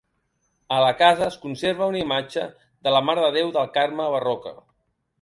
A la casa es conserva una imatge de la Mare de Déu del Carme barroca.